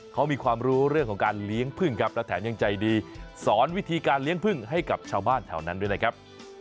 เขามีความรู้เรื่องของการเลี้ยงพึ่งครับและแถมยังใจดีสอนวิธีการเลี้ยงพึ่งให้กับชาวบ้านแถวนั้นด้วยนะครับ